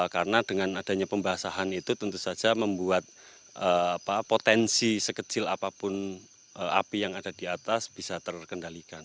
karena dengan adanya pembasahan itu tentu saja membuat potensi sekecil apapun api yang ada di atas bisa terkendalikan